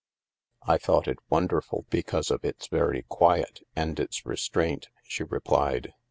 "" I thought it wonderful because of its very quiet and its restraint," she replied.